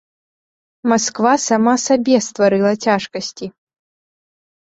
Масква сама сабе стварыла цяжкасці.